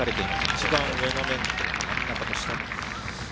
１番上の面と真ん中と下と。